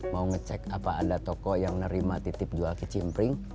mau ngecek apa ada toko yang nerima titip jual kecimpring